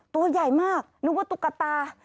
ตัวใหญ่มากนึกว่าตุ๊กตา